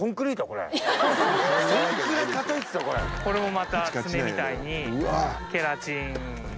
これもまた爪みたいにケラチンですね。